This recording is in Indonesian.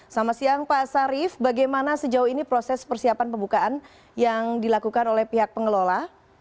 selamat siang pak sarif bagaimana sejauh ini proses persiapan pembukaan yang dilakukan oleh pihak pengelola